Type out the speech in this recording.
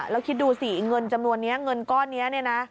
แล้วคิดดูสิเงินจำนวนนี้เงินก้อนนี้เนี่ยนะ